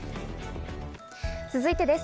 続いてです。